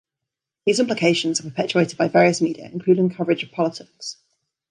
These implications are perpetuated by various media, including the coverage of politics.